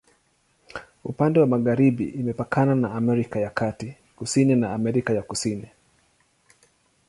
Upande wa magharibi imepakana na Amerika ya Kati, kusini na Amerika ya Kusini.